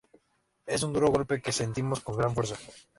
Es un duro golpe, que sentimos con gran fuerza"".